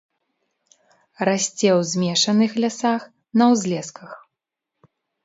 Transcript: Расце ў змешаных лясах, на ўзлесках.